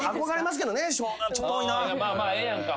まあまあええやんか。